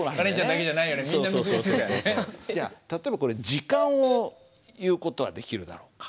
例えばこれ時間を言う事はできるだろうか？